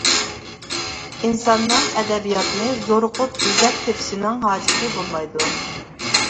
ئىنساننىڭ ئەدەبىياتنى زورۇقۇپ ئىزدەپ تېپىشىنىڭ ھاجىتى بولمايدۇ.